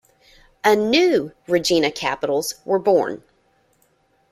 A "new" Regina Capitals were born.